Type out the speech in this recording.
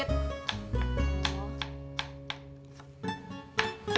masih di masjid